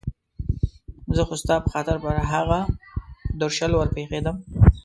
زه خو ستا په خاطر پر هغه درشل ور پېښېدم.